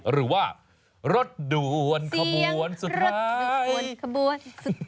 หรือว่ารถด่วนขบวนสุดท้าย